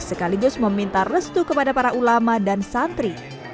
sekaligus meminta restu kepada para ulama dan santri